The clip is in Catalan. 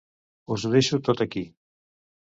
Us ho deixo tot aquí.